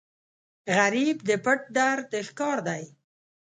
غریب د پټ درد ښکار دی